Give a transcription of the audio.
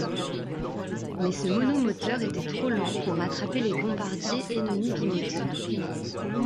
Mais ce monomoteur était trop lent pour rattraper les bombardiers ennemis bimoteurs.